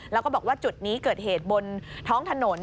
แล้วก็บอกว่าจุดนี้เกิดเหตุบนท้องถนน